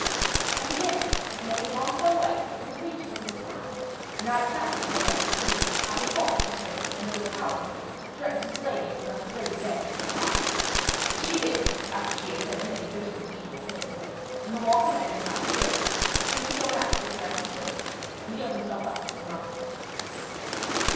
And again, when they had gone some way and had reached a little town, a knight challenged Beaumains, who, having fought with the stranger and overpowered him, threatened to slay him unless the lady begged for his life. This she did, after she had said many bitter and evil things, and Beaumains commanded the knight to go, with threescore knights which were in his service, and yield himself up to King Arthur.